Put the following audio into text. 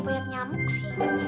banyak nyamuk sih